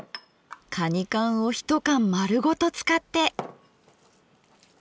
かに缶を一缶丸ごと使って。